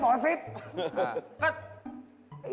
บอซิลาไร